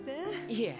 いえ。